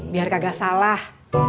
biar kagak salah